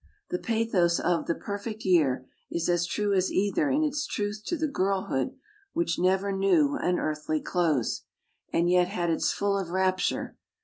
The pathos of "The Perfect Year" is as true as either in its truth to the girlhood which "never knew an earthly close," and yet had its fill of rapture.